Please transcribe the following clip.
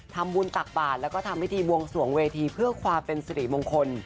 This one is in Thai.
ทำมูลตักบาดและก็ทำวิธีวงส่วงวิธีพื้นความเป็นศรีมงคล